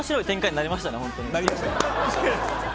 なりました。